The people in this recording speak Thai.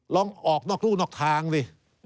ลองออกนอกรู่นอกทางดิ